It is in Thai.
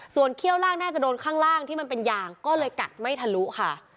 ส่วนเขี้ยวล่างน่าจะโดนข้างล่างที่มันเป็นยางก็เลยกัดไม่ทะลุค่ะ